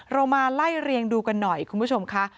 เรามาไล่เรียงดูกันหน่อยคุณผู้ชมค่ะ